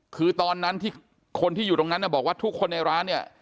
คือตอนนั้นที่คนที่อยู่ตรงนั้นบอกว่าทุกคนในร้านเนี่ย